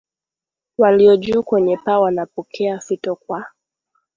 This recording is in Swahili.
walio juu kwenye paa wanapokea fito kwa